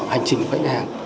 hành trình của ngân hàng